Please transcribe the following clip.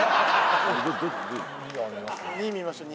２見ましょう。